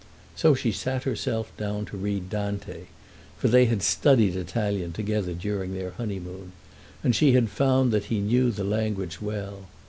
So she sat herself down to read Dante, for they had studied Italian together during their honeymoon, and she had found that he knew the language well.